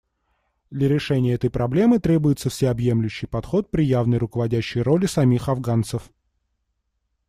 Для решения этой проблемы требуется всеобъемлющий подход при явной руководящей роли самих афганцев.